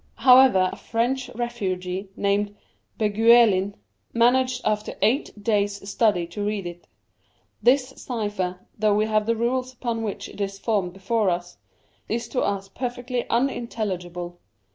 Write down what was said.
However, a French refugee, named Beguelin, managed after eight days' study to read it. This cypher — though we have the rules upon which it is formed before us — is to us perfectly unintelligible.